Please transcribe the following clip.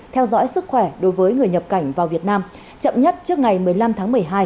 theo dõi sức khỏe đối với người nhập cảnh vào việt nam chậm nhất trước ngày một mươi năm tháng một mươi hai